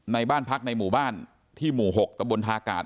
ในบ้านพักในหมู่บ้านที่หมู่๖ตะบนทากาศ